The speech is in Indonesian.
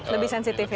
lebih sensitif ya